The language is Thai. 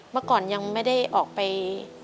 เมื่อก่อนยังไม่ได้ออกไป